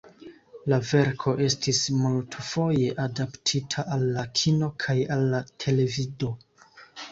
La verko estis multfoje adaptita al la kino kaj al la televido.